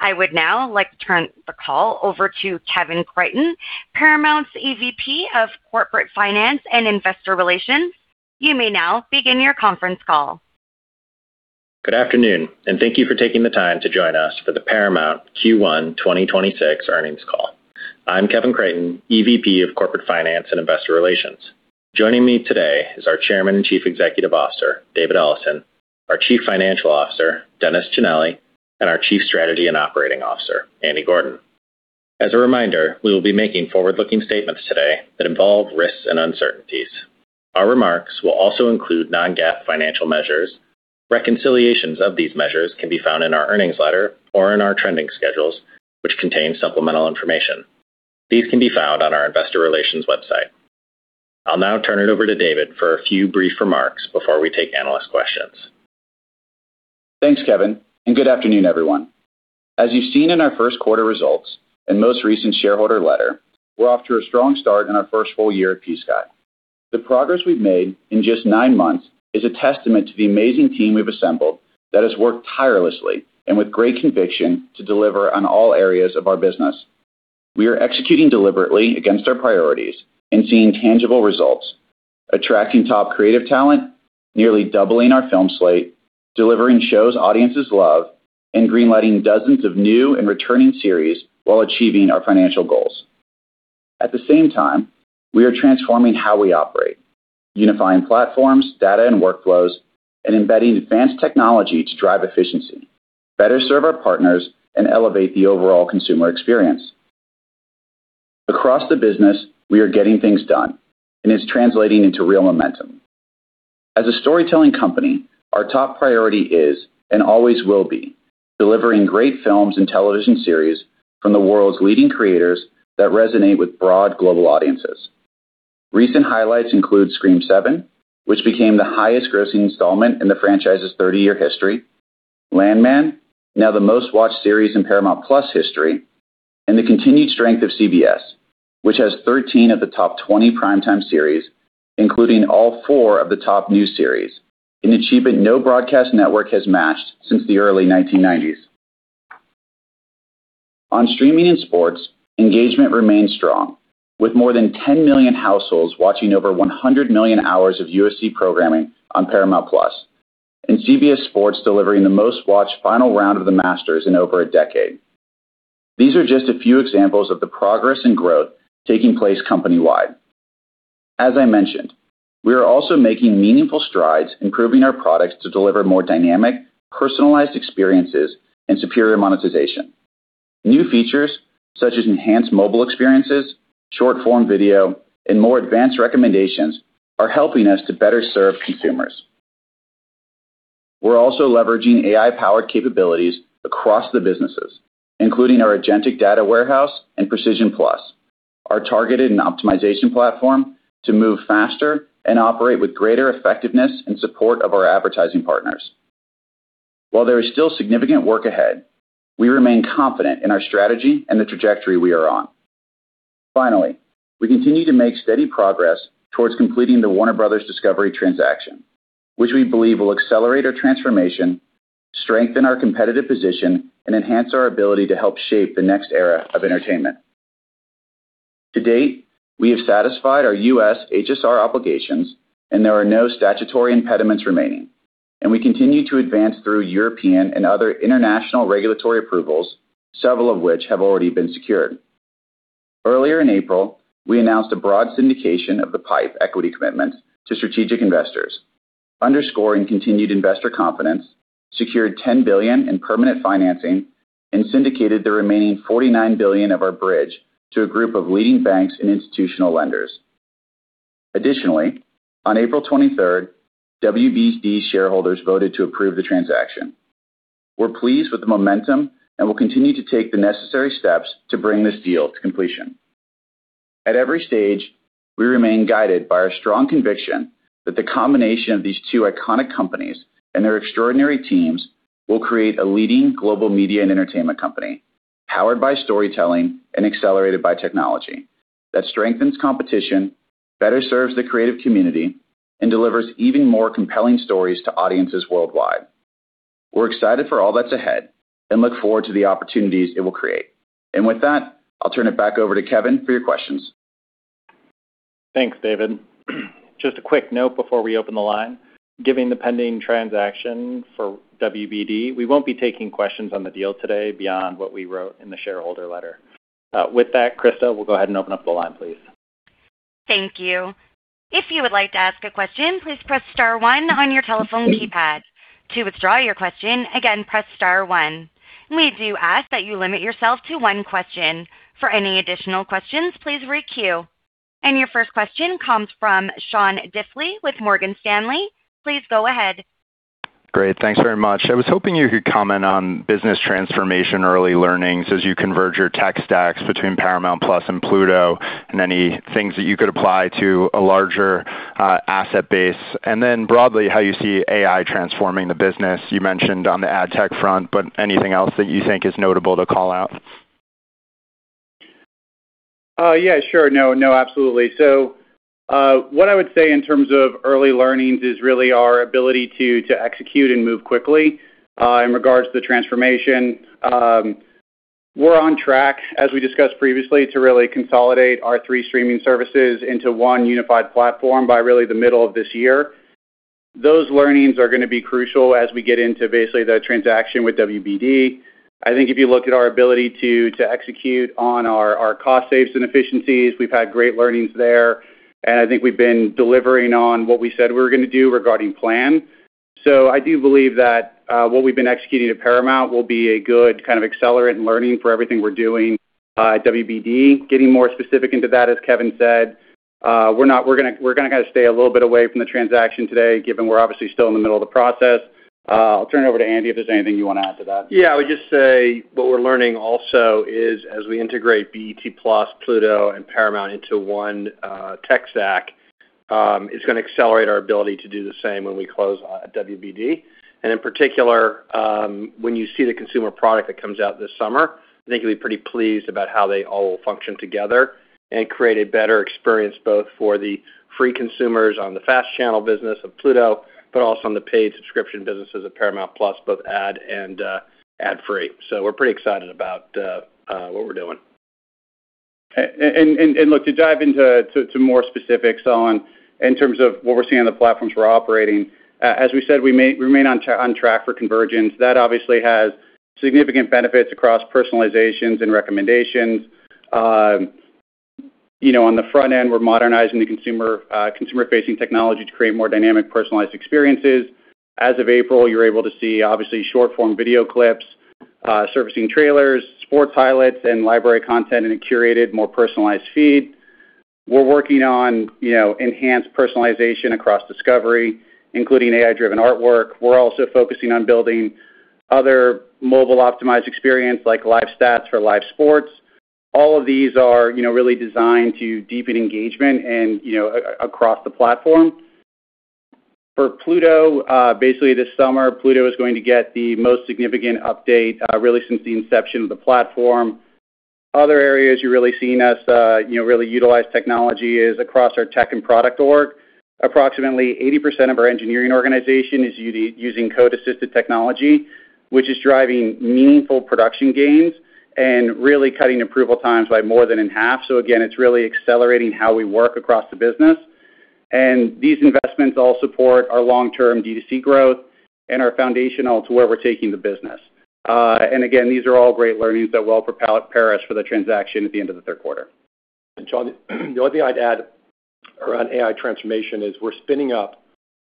I would now like to turn the call over to Kevin Creighton, Paramount's EVP of Corporate Finance and Investor Relations. You may now begin your conference call. Good afternoon and thank you for taking the time to join us for the Paramount Q1 2026 earnings call. I'm Kevin Creighton, EVP of Corporate Finance and Investor Relations. Joining me today is our Chairman and Chief Executive Officer, David Ellison, our Chief Financial Officer, Dennis K. Cinelli, and our Chief Strategy and Operating Officer, Andy Gordon. As a reminder, we will be making forward-looking statements today that involve risks and uncertainties. Our remarks will also include non-GAAP financial measures. Reconciliations of these measures can be found in our earnings letter or in our trending schedules, which contain supplemental information. These can be found on our investor relations website. I'll now turn it over to David for a few brief remarks before we take analyst questions. Thanks, Kevin, and good afternoon, everyone. As you've seen in our first quarter results and most recent shareholder letter, we're off to a strong start in our first full year at Sky. The progress we've made in just nine months is a testament to the amazing team we've assembled that has worked tirelessly and with great conviction to deliver on all areas of our business. We are executing deliberately against our priorities and seeing tangible results, attracting top creative talent, nearly doubling our film slate, delivering shows audiences love, and green-lighting dozens of new and returning series while achieving our financial goals. At the same time, we are transforming how we operate, unifying platforms, data, and workflows, and embedding advanced technology to drive efficiency, better serve our partners, and elevate the overall consumer experience. Across the business, we are getting things done, and it's translating into real momentum. As a storytelling company, our top priority is, and always will be, delivering great films and television series from the world's leading creators that resonate with broad global audiences. Recent highlights include Scream VII, which became the highest-grossing installment in the franchise's 30-year history, Landman, now the most-watched series in Paramount+ history, and the continued strength of CBS, which has 13 of the top 20 primetime series, including all four of the top new series, an achievement no broadcast network has matched since the early 1990s. On streaming and sports, engagement remains strong, with more than 10 million households watching over 100 million hours of UFC programming on Paramount+, and CBS Sports delivering the most-watched final round of the Masters in over one decade. These are just a few examples of the progress and growth taking place company-wide. As I mentioned, we are also making meaningful strides improving our products to deliver more dynamic, personalized experiences and superior monetization. New features, such as enhanced mobile experiences, short-form video, and more advanced recommendations, are helping us to better serve consumers. We're also leveraging AI-powered capabilities across the businesses, including our agentic data warehouse and Precision Plus, our targeted and optimization platform to move faster and operate with greater effectiveness in support of our advertising partners. While there is still significant work ahead, we remain confident in our strategy and the trajectory we are on. Finally, we continue to make steady progress towards completing the Warner Bros. Discovery transaction, which we believe will accelerate our transformation, strengthen our competitive position, and enhance our ability to help shape the next era of entertainment. To date, we have satisfied our U.S. HSR obligations, and there are no statutory impediments remaining, and we continue to advance through European and other international regulatory approvals, several of which have already been secured. Earlier in April, we announced a broad syndication of the pipe equity commitments to strategic investors, underscoring continued investor confidence, secured $10 billion in permanent financing, and syndicated the remaining $49 billion of our bridge to a group of leading banks and institutional lenders. Additionally, on April 23rd, WBD shareholders voted to approve the transaction. We're pleased with the momentum and will continue to take the necessary steps to bring this deal to completion. At every stage, we remain guided by our strong conviction that the combination of these two iconic companies and their extraordinary teams will create a leading global media and entertainment company, powered by storytelling and accelerated by technology, that strengthens competition, better serves the creative community, and delivers even more compelling stories to audiences worldwide. We're excited for all that's ahead and look forward to the opportunities it will create. With that, I'll turn it back over to Kevin for your questions. Thanks, David. Just a quick note before we open the line. Given the pending transaction for WBD, we won't be taking questions on the deal today beyond what we wrote in the shareholder letter. With that, Krista, we'll go ahead and open up the line, please. Thank you. If you would like to ask a question, please press star one on your telephone keypad. To withdraw your question, again, press star one. We do ask that you limit yourself to one question. For any additional questions, please re-queue. Your first question comes from Sean Diffley with Morgan Stanley. Please go ahead. Great. Thanks very much. I was hoping you could comment on business transformation early learnings as you converge your tech stacks between Paramount+ and Pluto TV and any things that you could apply to a larger asset base. Then broadly, how you see AI transforming the business. You mentioned on the ad tech front, but anything else that you think is notable to call out? Yeah, sure. No, no, absolutely. What I would say in terms of early learnings is really our ability to execute and move quickly in regard to the transformation. We're on track, as we discussed previously, to really consolidate our three streaming services into one unified platform by really the middle of this year. Those learnings are going to be crucial as we get into basically the transaction with WBD. I think if you look at our ability to execute on our cost saves and efficiencies, we've had great learnings there, and I think we've been delivering on what we said we were going to do regarding plan. I do believe that what we've been executing at Paramount will be a good kind of accelerant learning for everything we're doing at WBD. Getting more specific into that, as Kevin said, we're going to kind of stay a little bit away from the transaction today, given we're obviously still in the middle of the process. I'll turn it over to Andy if there's anything you want to add to that. Yeah. I would just say what we're learning also is, as we integrate BET+, Pluto and Paramount into one tech stack, it's going to accelerate our ability to do the same when we close WBD. In particular, when you see the consumer product that comes out this summer, I think you'll be pretty pleased about how they all function together and create a better experience both for the free consumers on the FAST channel business of Pluto, but also on the paid subscription businesses of Paramount+, both ad and ad-free. We're pretty excited about what we're doing. Look, to dive into more specifics on in terms of what we're seeing on the platforms we're operating, as we said, we remain on track for convergence. That obviously has significant benefits across personalization and recommendations. You know, on the front end, we're modernizing the consumer-facing technology to create more dynamic, personalized experiences. As of April, you're able to see obviously short-form video clips, servicing trailers, sports highlights and library content in a curated, more personalized feed. We're working on, you know, enhanced personalization across discovery, including AI-driven artwork. We're also focusing on building other mobile-optimized experience like live stats for live sports. All of these are, you know, really designed to deepen engagement and, you know, across the platform. For Pluto, basically this summer, Pluto is going to get the most significant update, really since the inception of the platform. Other areas you're really seeing us, you know, really utilize technology is across our tech and product org. Approximately 80% of our engineering organization is using code-assisted technology, which is driving meaningful production gains and really cutting approval times by more than in half. Again, it's really accelerating how we work across the business. These investments all support our long-term D2C growth and are foundational to where we're taking the business. Again, these are all great learnings that will propel Paramount for the transaction at the end of the third quarter. Sean, the only thing I'd add around AI transformation is we're spinning up,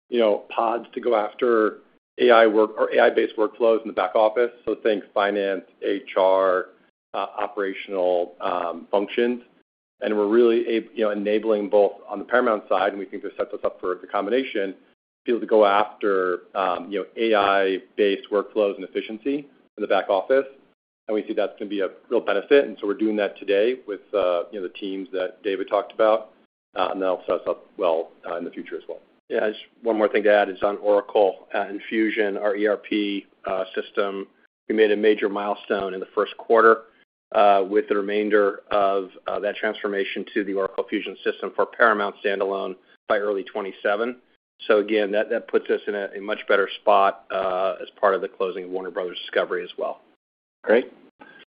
you know, pods to go after AI-based workflows in the back office, so think finance, HR, operational functions. We're really, you know, enabling both on the Paramount side, and we think this sets us up for the combination, be able to go after, you know, AI-based workflows and efficiency in the back office, and we see that's going to be a real benefit. We're doing that today with, you know, the teams that David talked about, and that'll set us up well in the future as well. Yeah. Just one more thing to add is on Oracle and Fusion, our ERP system, we made a major milestone in the first quarter with the remainder of that transformation to the Oracle Fusion system for Paramount standalone by early 2027. Again, that puts us in a much better spot as part of the closing of Warner Bros. Discovery as well. Great.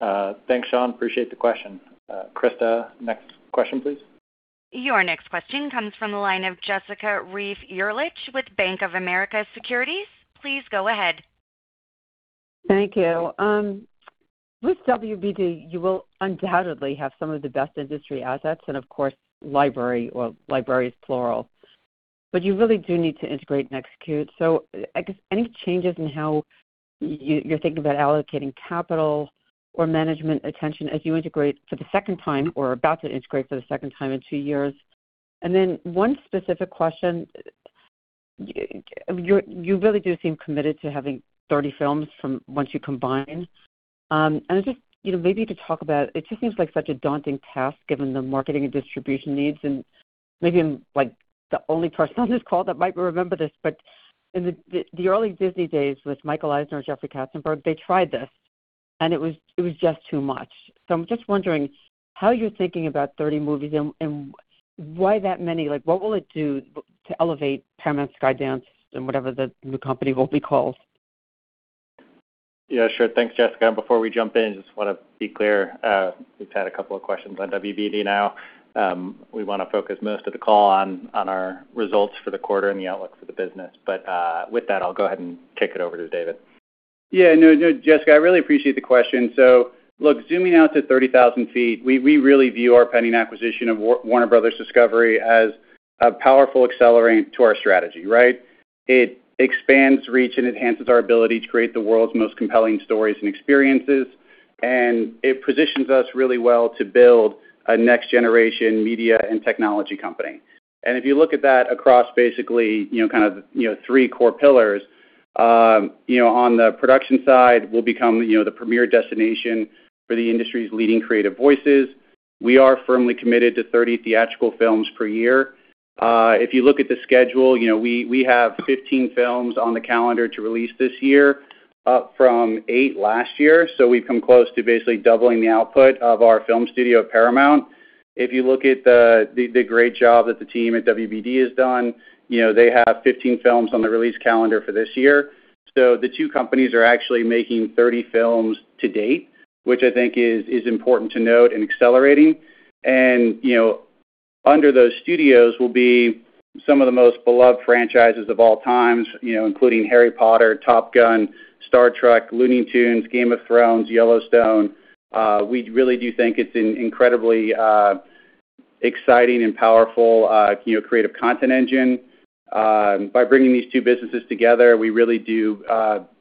Thanks, Sean. Appreciate the question. Krista, next question, please. Your next question comes from the line of Jessica Reif Ehrlich with Bank of America Securities. Please go ahead. Thank you. With WBD, you will undoubtedly have some of the best industry assets and of course, library, or libraries plural. You really do need to integrate and execute. I guess any changes in how you're thinking about allocating capital or management attention as you integrate for the second time or are about to integrate for the second time in two years? One specific question. You really do seem committed to having 30 films from once you combine. Just, you know, maybe to talk about, it just seems like such a daunting task given the marketing and distribution needs. Maybe I'm, like, the only person on this call that might remember this, in the early Disney days with Michael Eisner and Jeffrey Katzenberg, they tried this, and it was just too much. I'm just wondering how you're thinking about 30 movies and why that many? What will it do to elevate Paramount, Skydance, and whatever the new company will be called? Yeah, sure. Thanks, Jessica. Before we jump in, just want to be clear, we've had a couple of questions on WBD now. We want to focus most of the call on our results for the quarter and the outlook for the business. With that, I'll go ahead and kick it over to David. Yeah. No, Jessica, I really appreciate the question. Look, zooming out to 30,000 ft, we really view our pending acquisition of Warner Bros. Discovery as a powerful accelerant to our strategy, right? It expands reach and enhances our ability to create the world's most compelling stories and experiences; it positions us really well to build a next-generation media and technology company. If you look at that across basically, you know, kind of, you know, three core pillars, you know, on the production side, we'll become, you know, the premier destination for the industry's leading creative voices. We are firmly committed to 30 theatrical films per year. If you look at the schedule, you know, we have 15 films on the calendar to release this year, up from eight last year. We've come close to basically doubling the output of our film studio at Paramount. If you look at the great job that the team at WBD has done, you know, they have 15 films on the release calendar for this year. The two companies are actually making 30 films to date, which I think is important to note in accelerating. You know, under those studios will be some of the most beloved franchises of all times, you know, including Harry Potter, Top Gun, Star Trek, Looney Tunes, Game of Thrones, Yellowstone. We really do think it's an incredibly exciting and powerful, you know, creative content engine. By bringing these two businesses together, we really do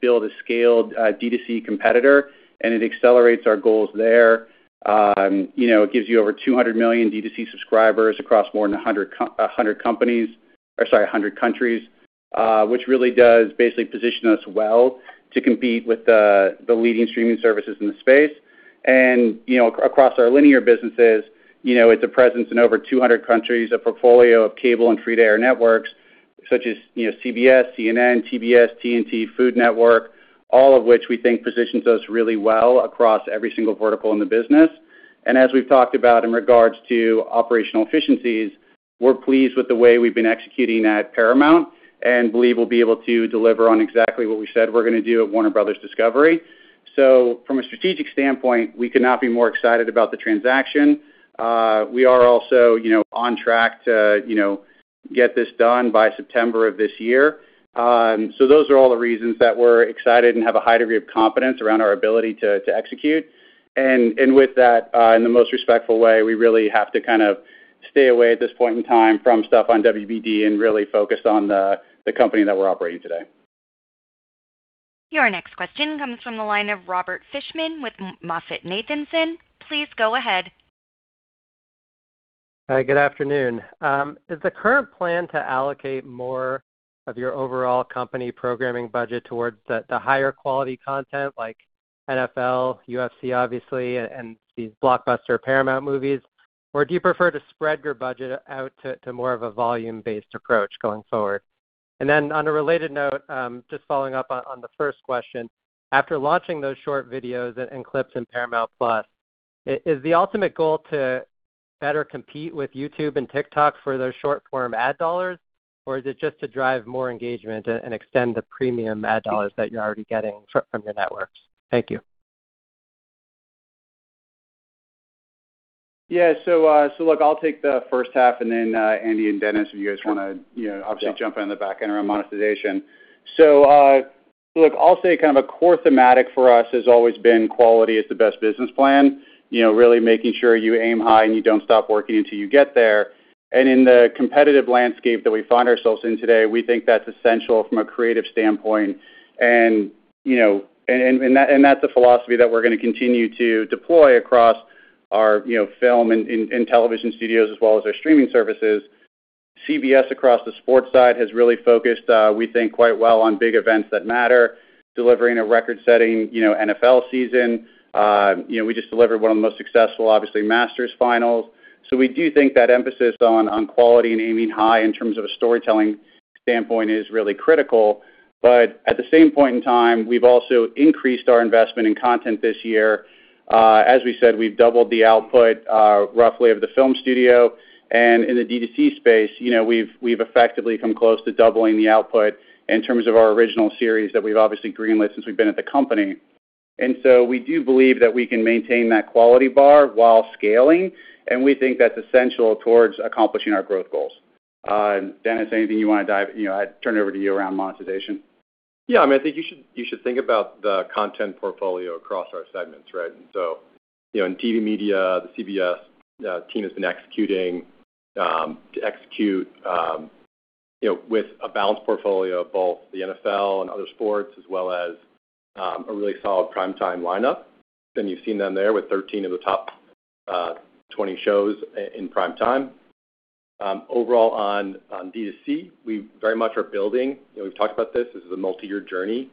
build a scaled D2C competitor, and it accelerates our goals there. You know, it gives you over 200 million D2C subscribers across more than 100 countries, which really does basically position us well to compete with the leading streaming services in the space. You know, across our linear businesses, you know, with a presence in over 200 countries, a portfolio of cable and free-to-air networks such as, you know, CBS, CNN, TBS, TNT, Food Network, all of which we think positions us really well across every single vertical in the business. As we've talked about in regard to operational efficiencies, we're pleased with the way we've been executing at Paramount and believe we'll be able to deliver on exactly what we said we're going to do at Warner Bros. Discovery. From a strategic standpoint, we could not be more excited about the transaction. We are also, you know, on track to, you know, get this done by September of this year. Those are all the reasons that we're excited and have a high degree of confidence around our ability to execute. With that, in the most respectful way, we really have to kind of stay away at this point in time from stuff on WBD and really focus on the company that we're operating today. Your next question comes from the line of Robert Fishman with MoffettNathanson. Please go ahead. Hi, good afternoon. Is the current plan to allocate more of your overall company programming budget towards the higher quality content like NFL, UFC, obviously, and these blockbuster Paramount movies? Or do you prefer to spread your budget out to more of a volume-based approach going forward? On a related note, just following up on the first question. After launching those short videos and clips in Paramount+, is the ultimate goal to better compete with YouTube and TikTok for those short-form ad dollars, or is it just to drive more engagement and extend the premium ad dollars that you're already getting from your networks? Thank you. Yeah. Look, I'll take the H1 and then Andy and Dennis, if you guys want to, you know, obviously jump in on the back end around monetization. Look, I'll say kind of a core thematic for us has always been quality is the best business plan. You know, really making sure you aim high and you don't stop working until you get there. In the competitive landscape that we find ourselves in today, we think that's essential from a creative standpoint. You know, and that's the philosophy that we're going to continue to deploy across our, you know, film and television studios as well as our streaming services. CBS across the sports side has really focused, we think quite well on big events that matter, delivering a record-setting, you know, NFL season. You know, we just delivered one of the most successful, obviously, Masters finals. We do think that emphasis on quality and aiming high in terms of a storytelling standpoint is really critical. At the same point in time, we've also increased our investment in content this year. As we said, we've doubled the output, roughly of the film studio. In the D2C space, you know, we've effectively come close to doubling the output in terms of our original series that we've obviously greenlit since we've been at the company. We do believe that we can maintain that quality bar while scaling, and we think that's essential towards accomplishing our growth goals. Dennis, anything you want to dive, you know, I turn it over to you around monetization. I mean, you should think about the content portfolio across our segments, right? You know, in TV media, the CBS team has been executing, you know, with a balanced portfolio of both the NFL and other sports, as well as a really solid primetime lineup. You've seen them there with 13 of the top, 20 shows in primetime. Overall on D2C, we very much are building. You know, we've talked about this. This is a multi-year journey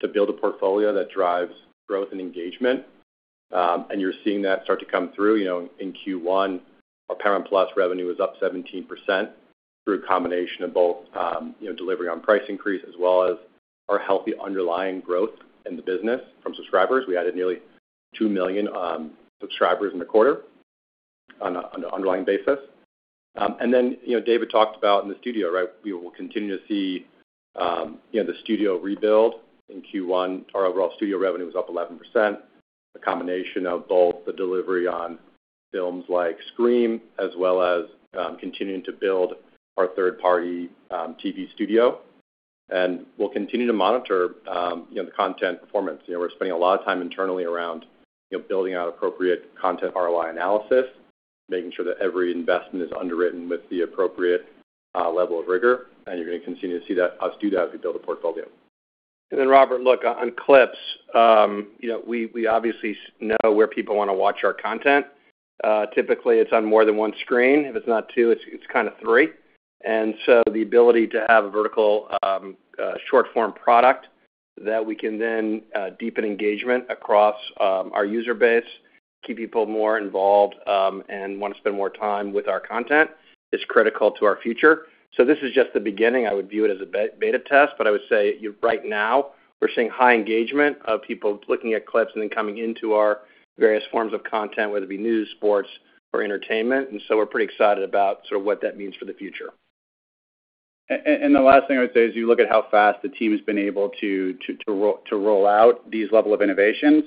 to build a portfolio that drives growth and engagement. You're seeing that start to come through, you know, in Q1. Our Paramount+ revenue was up 17% through a combination of both, you know, delivery on price increase as well as our healthy underlying growth in the business from subscribers. We added nearly two million subscribers in the quarter on an underlying basis. Then, you know, David talked about in the studio, right? We will continue to see, you know, the studio rebuild. In Q1, our overall studio revenue was up 11%, a combination of both the delivery on films like Scream, as well as continuing to build our third-party TV studio. We'll continue to monitor, you know, the content performance. You know, we're spending a lot of time internally around, you know, building out appropriate content ROI analysis, making sure that every investment is underwritten with the appropriate level of rigor. You're going to continue to see us do that as we build a portfolio. Robert, look, on clips, you know, we obviously know where people want to watch our content. Typically, it's on more than 1 screen. If it's not two, it's kind of three. The ability to have a vertical, short form product that we can then deepen engagement across our user base, keep people more involved, and want to spend more time with our content is critical to our future. This is just the beginning. I would view it as a beta test, but I would say right now we're seeing high engagement of people looking at clips and then coming into our various forms of content, whether it be news, sports, or entertainment. We're pretty excited about sort of what that means for the future. The last thing I would say is you look at how fast the team has been able to roll out these level of innovations.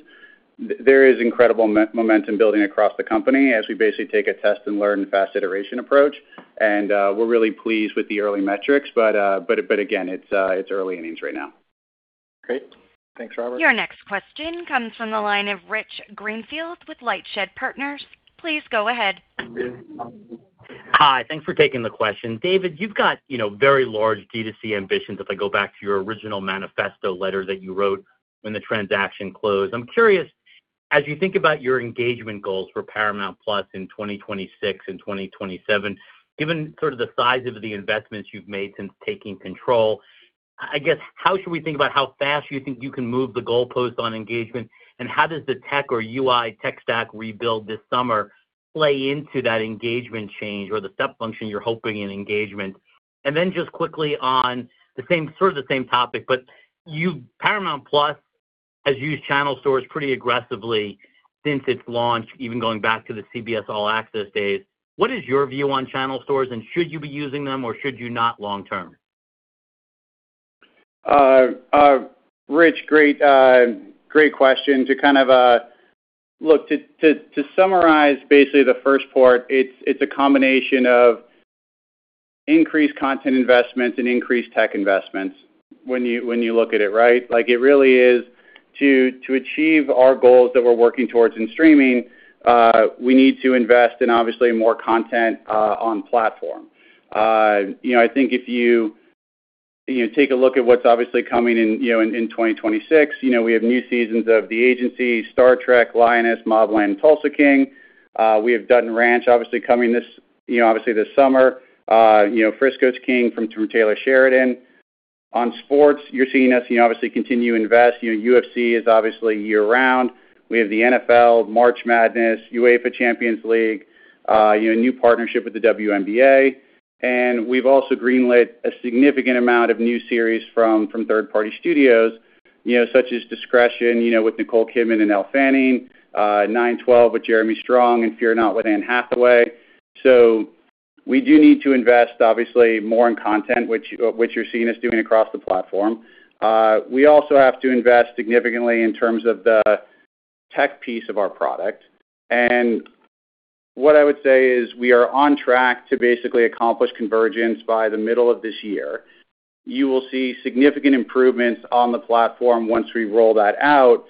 There is incredible momentum building across the company as we basically take a test and learn fast iteration approach. We're really pleased with the early metrics. Again, it's early innings right now. Great. Thanks, Robert. Your next question comes from the line of Rich Greenfield with LightShed Partners. Please go ahead. Hi. Thanks for taking the question. David, you've got, you know, very large D2C ambitions if I go back to your original manifesto letter that you wrote when the transaction closed. I'm curious, as you think about your engagement goals for Paramount+ in 2026 and 2027, given sort of the size of the investments you've made since taking control, I guess how should we think about how fast you think you can move the goalpost on engagement? How does the tech or UI tech stack rebuild this summer play into that engagement change or the step function you're hoping in engagement? Then just quickly on sort of the same topic, but Paramount+ has used channel stores pretty aggressively since its launch, even going back to the CBS All Access days. What is your view on channel stores, and should you be using them or should you not long term? Rich, great question. To kind of. Look, to summarize basically the first part, it's a combination of increased content investments and increased tech investments when you look at it, right? Like, it really is to achieve our goals that we're working towards in streaming, we need to invest in obviously more content on platform. You know, I think if you take a look at what's obviously coming in, you know, in 2026, you know, we have new seasons of The Agency, Star Trek, Lioness, MobLand, Tulsa King. We have Dutton Ranch obviously coming this, you know, obviously this summer. You know, Frisco King from Taylor Sheridan. On sports, you're seeing us, you know, obviously continue to invest. You know, UFC is obviously year-round. We have the NFL, March Madness, UEFA Champions League, you know, a new partnership with the WNBA. We've also greenlit a significant amount of new series from third-party studios, you know, such as Discretion, you know, with Nicole Kidman and Elle Fanning, 9/12 with Jeremy Strong, and Fear Not with Anne Hathaway. We do need to invest obviously more in content, which you're seeing us doing across the platform. We also have to invest significantly in terms of the tech piece of our product. What I would say is we are on track to basically accomplish convergence by the middle of this year. You will see significant improvements on the platform once we roll that out,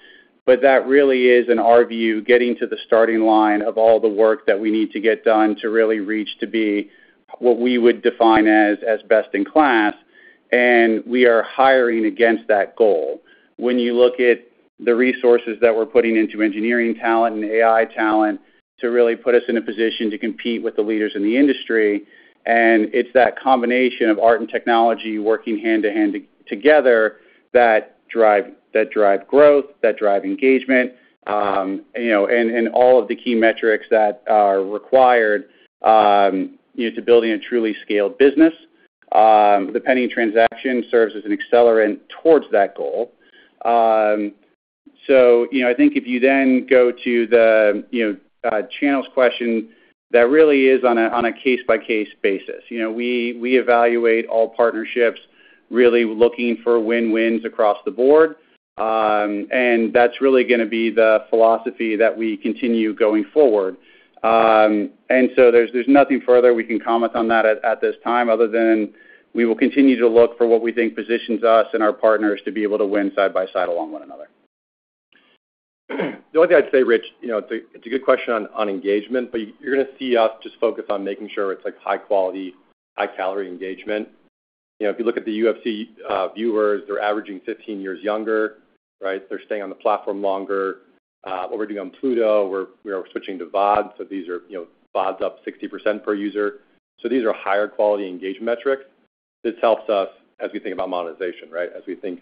but that really is, in our view, getting to the starting line of all the work that we need to get done to really reach to be what we would define as best in class, and we are hiring against that goal. When you look at the resources that we're putting into engineering talent and AI talent to really put us in a position to compete with the leaders in the industry, and it's that combination of art and technology working hand in hand together that drive growth, that drive engagement, you know, and all of the key metrics that are required, you know, to building a truly scaled business. The pending transaction serves as an accelerant towards that goal. You know, I think if you then go to the, you know, channels question, that really is on a case-by-case basis. You know, we evaluate all partnerships really looking for win-wins across the board, and that's really going to be the philosophy that we continue going forward. There's nothing further we can comment on that at this time other than we will continue to look for what we think positions us and our partners to be able to win side by side along one another. The only thing I'd say, Rich, you know, it's a good question on engagement, you're going to see us just focus on making sure it's like high quality, high calorie engagement. You know, if you look at the UFC viewers, they're averaging 15 years younger, right? They're staying on the platform longer. What we're doing on Pluto, we're, you know, we're switching to VOD. These are, you know, VOD's up 60% per user. These are higher quality engagement metrics. This helps us as we think about monetization, right? As we think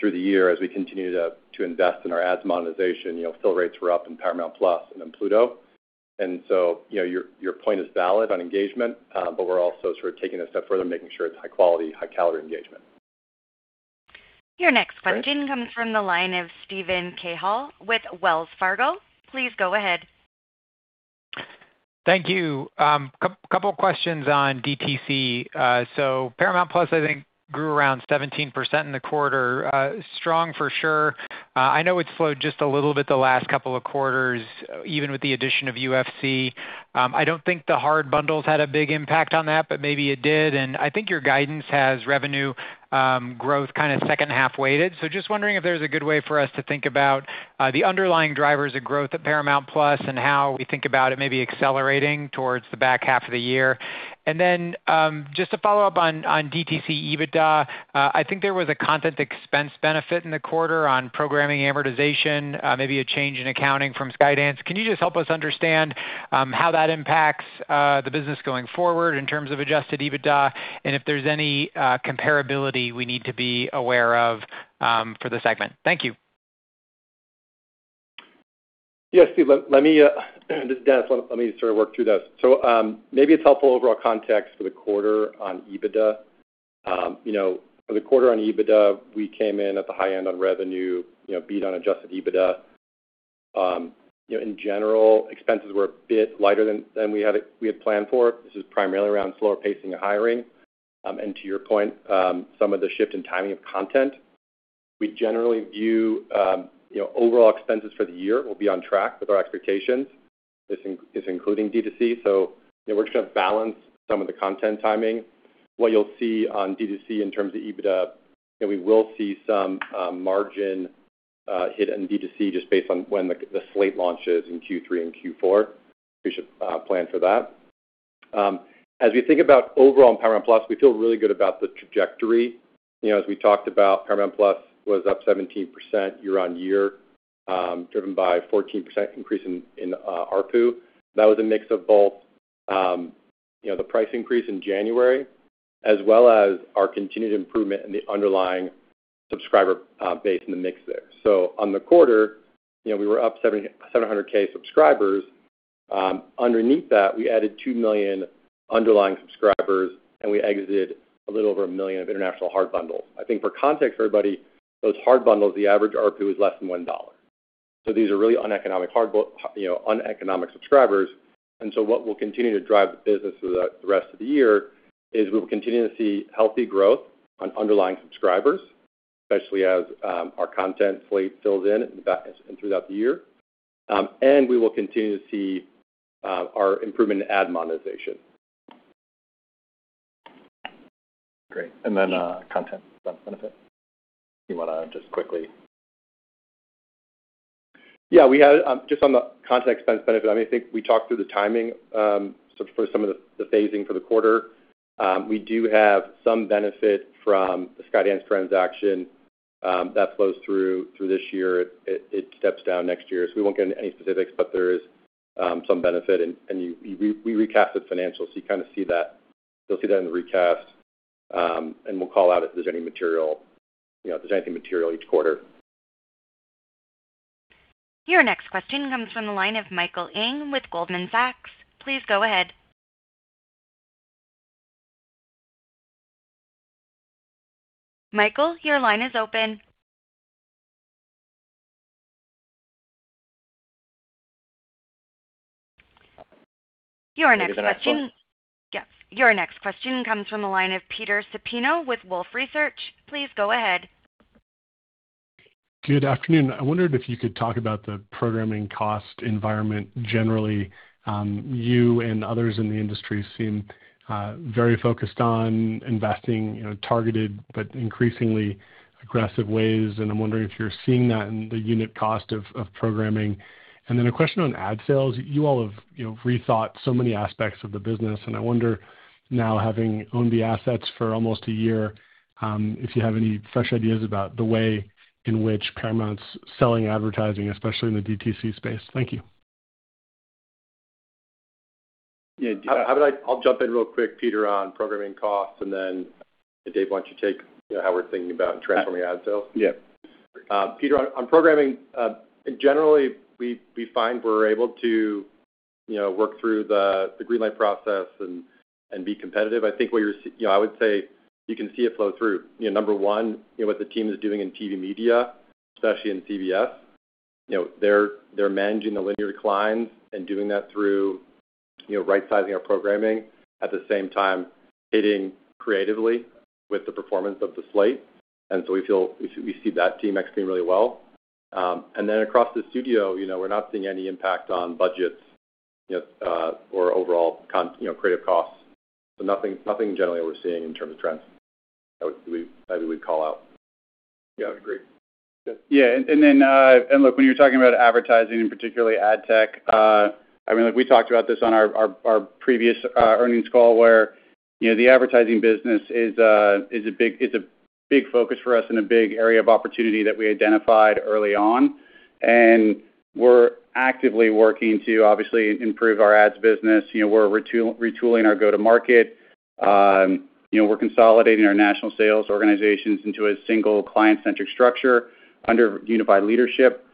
through the year, as we continue to invest in our ads monetization. You know, fill rates were up in Paramount+ and in Pluto. you know, your point is valid on engagement, but we're also sort of taking it a step further, making sure it's high quality, high calorie engagement. Your next question comes from the line of Steven Cahall with Wells Fargo. Please go ahead. Thank you. Couple questions on DTC. Paramount+ I think grew around 17% in the quarter. Strong for sure. I know it slowed just a little bit the last couple of quarters, even with the addition of UFC. I don't think the hard bundles had a big impact on that, but maybe it did. I think your guidance has revenue growth kind of secondhalf weighted. Just wondering if there's a good way for us to think about the underlying drivers of growth at Paramount+ and how we think about it may be accelerating towards the back half of the year. Then, just to follow up on DTC EBITDA, I think there was a content expense benefit in the quarter on programming amortization, maybe a change in accounting from Skydance. Can you just help us understand how that impacts the business going forward in terms of adjusted EBITDA and if there's any comparability we need to be aware of for the segment? Thank you. Yes, Steven, let me, this is Dennis K. Cinelli. Let me sort of work through this. Maybe it's helpful overall context for the quarter on EBITDA. You know, for the quarter on EBITDA, we came in at the high end on revenue, you know, beat on adjusted EBITDA. You know, in general, expenses were a bit lighter than we had planned for. This is primarily around slower pacing and hiring. To your point, some of the shift in timing of content. We generally view, you know, overall expenses for the year will be on track with our expectations. This including D2C. You know, we're just going to balance some of the content timing. What you'll see on D2C in terms of EBITDA, you know, we will see some margin hit in D2C just based on when the slate launches in Q3 and Q4. We should plan for that. As we think about overall Paramount+, we feel really good about the trajectory. You know, as we talked about, Paramount+ was up 17% year-on-year, driven by 14% increase in ARPU. That was a mix of both, you know, the price increase in January, as well as our continued improvement in the underlying subscriber base and the mix there. On the quarter, you know, we were up 700K subscribers. Underneath that, we added 2 million underlying subscribers, and we exited a little over 1 million of international hard bundles. I think for context for everybody, those hard bundles, the average ARPU is less than $1. These are really uneconomic, you know, uneconomic subscribers. What will continue to drive the business throughout the rest of the year is we'll continue to see healthy growth on underlying subscribers, especially as our content slate fills in throughout the year. We will continue to see our improvement in ad monetization. Great. Then, content benefit. You want to just quickly. Yeah, we had just on the content expense benefit, I think we talked through the timing, so for some of the phasing for the quarter. We do have some benefit from the Skydance transaction that flows through this year. It steps down next year. We won't get into any specifics, but there is some benefit and we recast the financials, so you kind of see that. You'll see that in the recast. We'll call out if there's any material, you know, if there's anything material each quarter. Your next question comes from the line of Michael Ng with Goldman Sachs. Please go ahead. Michael, your line is open. Is it Michael? Yes. Your next question comes from the line of Peter Supino with Wolfe Research. Please go ahead. Good afternoon. I wondered if you could talk about the programming cost environment generally. You and others in the industry seem very focused on investing, you know, targeted but increasingly aggressive ways, and I'm wondering if you're seeing that in the unit cost of programming. Then a question on ad sales. You all have, you know, rethought so many aspects of the business, I wonder now, having owned the assets for almost a year, if you have any fresh ideas about the way in which Paramount's selling advertising, especially in the DTC space. Thank you. Yeah. How about I'll jump in real quick, Peter, on programming costs, and then David, why don't you take, you know, how we're thinking about transforming ad sales? Yeah. Peter, on programming, generally we find we're able to, you know, work through the greenlight process and be competitive. I think what I would say you can see it flow through. You know, number one, you know, what the team is doing in TV media, especially in CBS, you know, they're managing the linear declines and doing that through, you know, right sizing our programming, at the same time hitting creatively with the performance of the slate. We feel we see that team executing really well. Across the studio, you know, we're not seeing any impact on budgets, you know, or overall, you know, creative costs. Nothing generally, we're seeing in terms of trends that we would call out. Yeah, I would agree. Yeah. Yeah. Then, when you're talking about advertising and particularly ad tech, we talked about this on our previous earnings call where, you know, the advertising business is a big focus for us and a big area of opportunity that we identified early on. We're actively working to obviously improve our ads business. You know, we're retooling our go-to-market. You know, we're consolidating our national sales organizations into a single client-centric structure under unified leadership.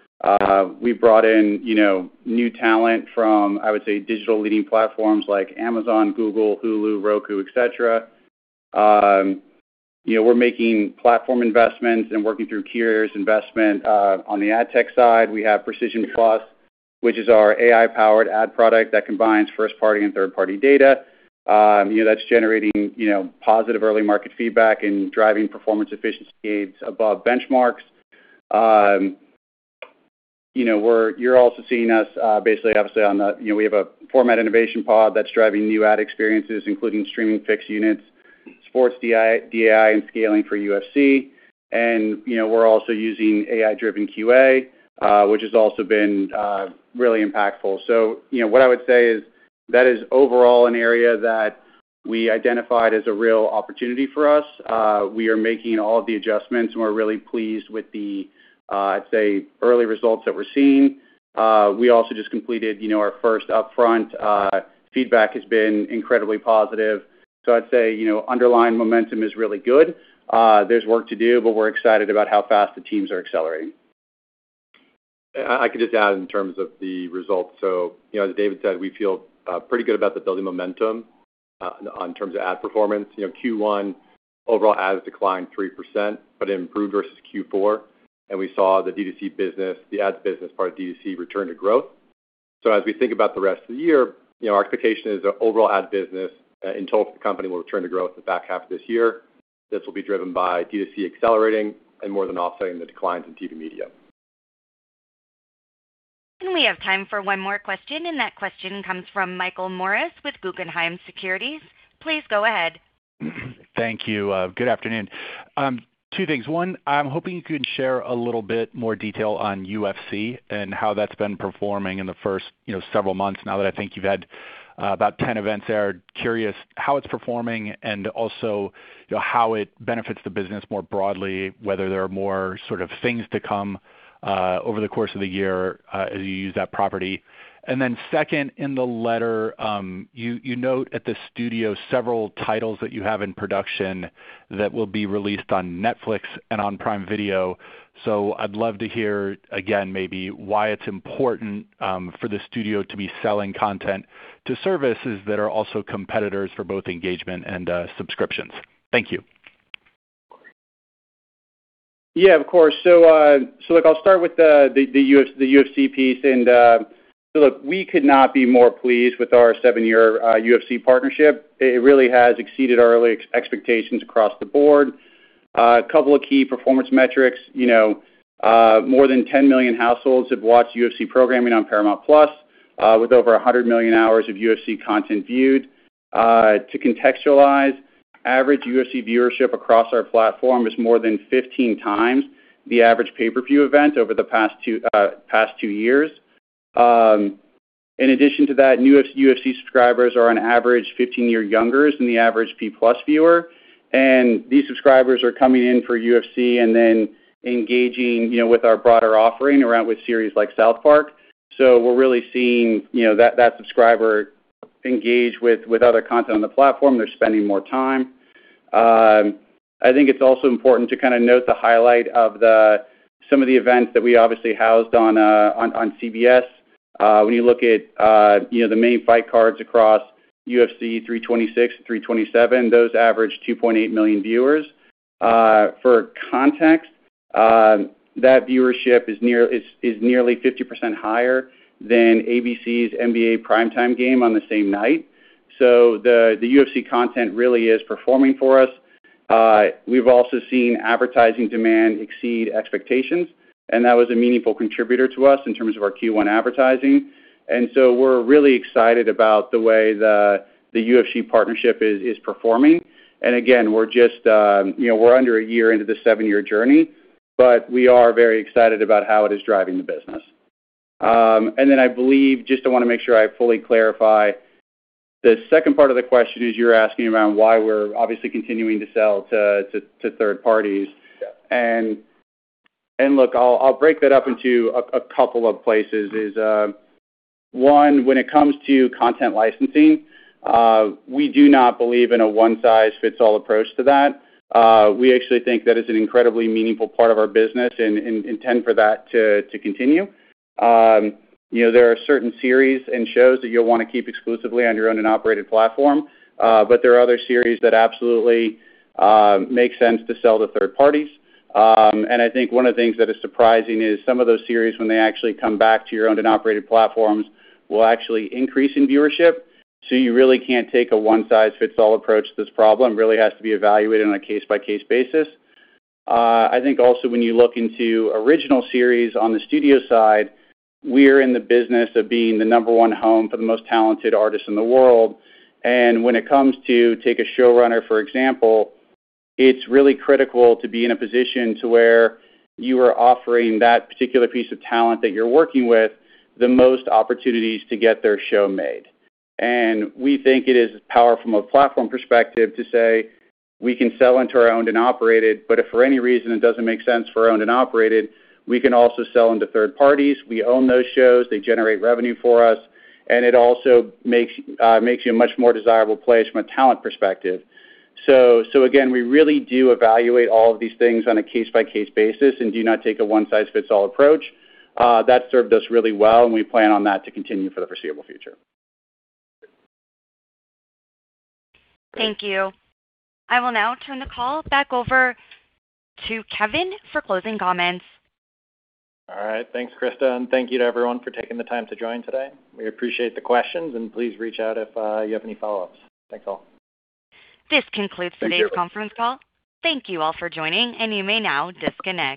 We've brought in, you know, new talent from, I would say, digital leading platforms like Amazon, Google, Hulu, Roku, et cetera. You know, we're making platform investments and working through Curious investment. On the ad tech side, we have Precision+, which is our AI-powered ad product that combines first-party and third-party data. You know, that's generating, you know, positive early market feedback and driving performance efficiency aids above benchmarks. You know, you're also seeing us, basically obviously on the... You know, we have a format innovation pod that's driving new ad experiences, including streaming fixed units, sports D-I, D-I and scaling for UFC. You know, we're also using AI-driven QA, which has also been really impactful. You know, what I would say is that is overall an area that we identified as a real opportunity for us. We are making all the adjustments, and we're really pleased with the, I'd say, early results that we're seeing. We also just completed, you know, our first upfront. Feedback has been incredibly positive. I'd say, you know, underlying momentum is really good. There's work to do, but we're excited about how fast the teams are accelerating. I could just add in terms of the results. You know, as David said, we feel pretty good about the building momentum on terms of ad performance. You know, Q1 overall ads declined 3%, but improved versus Q4. We saw the D2C business, the ads business part of D2C return to growth. As we think about the rest of the year, you know, our expectation is the overall ad business in total for the company will return to growth the back half of this year. This will be driven by D2C accelerating and more than offsetting the declines in TV media. We have time for one more question, and that question comes from Michael Morris with Guggenheim Securities. Please go ahead. Thank you. Good afternoon. Two things. One, I'm hoping you could share a little bit more detail on UFC and how that's been performing in the first, you know, several months now that I think you've had about 10 events there. Curious how it's performing and also, you know, how it benefits the business more broadly, whether there is more sort of things to come over the course of the year as you use that property. Second, in the letter, you note at the studio several titles that you have in production that will be released on Netflix and on Prime Video. I'd love to hear, again, maybe why it's important for the studio to be selling content to services that are also competitors for both engagement and subscriptions. Thank you. Yeah, of course. Look, I'll start with the UFC piece. We could not be more pleased with our seven-year UFC partnership. It really has exceeded our early expectations across the board. A couple of key performance metrics. You know, more than 10 million households have watched UFC programming on Paramount+, with over 100 million hours of UFC content viewed. To contextualize, average UFC viewership across our platform is more than 15 times the average pay-per-view event over the past two years. In addition to that, new UFC subscribers are on average 15 years younger than the average P+ viewer, and these subscribers are coming in for UFC and then engaging, you know, with our broader offering around with series like South Park. We're really seeing, you know, that subscriber engage with other content on the platform. They're spending more time. I think it's also important to kind of note the highlight of the some of the events that we obviously housed on CBS. When you look at, you know, the main fight cards across UFC 326, 327, those averaged 2.8 million viewers. For context, that viewership is nearly 50% higher than ABC's NBA prime time game on the same night. The UFC content really is performing for us. We've also seen advertising demand exceed expectations, and that was a meaningful contributor to us in terms of our Q1 advertising. We're really excited about the way the UFC partnership is performing. Again, we're just, you know, we're under a seven-year journey. We are very excited about how it is driving the business. I believe, just I want to make sure I fully clarify, the second part of the question is you're asking around why we're obviously continuing to sell to third parties. Look, I'll break that up into a couple of places. One, when it comes to content licensing, we do not believe in a one-size-fits-all approach to that. We actually think that is an incredibly meaningful part of our business and intend for that to continue. You know, there are certain series and shows that you'll want to keep exclusively on your own and operated platform, but there are other series that absolutely make sense to sell to third parties. I think one of the things that is surprising is some of those series when they actually come back to your owned and operated platforms will actually increase in viewership. You really can't take a one size fits all approach to this problem. It really has to be evaluated on a case-by-case basis. I think also when you look into original series on the studio side, we're in the business of being the number one home for the most talented artists in the world. When it comes to, take a showrunner, for example, it's really critical to be in a position to where you are offering that particular piece of talent that you're working with the most opportunities to get their show made. We think it is powerful from a platform perspective to say we can sell into our owned and operated, but if for any reason it doesn't make sense for owned and operated, we can also sell into third parties. We own those shows. They generate revenue for us. It also makes you a much more desirable place from a talent perspective. Again, we really do evaluate all of these things on a case-by-case basis and do not take a one size fits all approach. That served us really well. We plan on that to continue for the foreseeable future. Thank you. I will now turn the call back over to Kevin for closing comments. All right. Thanks, Krista. Thank you to everyone for taking the time to join today. We appreciate the questions. Please reach out if you have any follow-ups. Thanks, all. This concludes today's conference call. Thank you all for joining, and you may now disconnect.